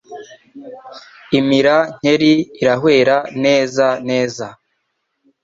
Imira nkeri, irahwera neza neza.